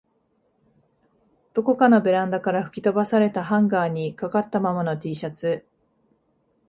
どこかのベランダから吹き飛ばされたハンガーに掛かったままの Ｔ シャツ